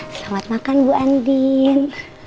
selamat makan bu andin